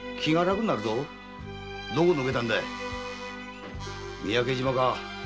どこを抜けたんだ三宅島か？